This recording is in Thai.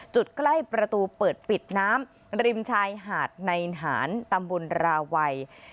ใกล้ประตูเปิดปิดน้ำริมชายหาดในหารตำบลราวัย